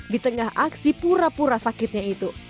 di tengah aksi pura pura sakitnya itu